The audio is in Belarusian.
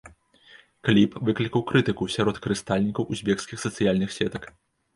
Кліп выклікаў крытыку сярод карыстальнікаў узбекскіх сацыяльных сетак.